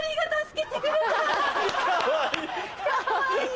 かわいい！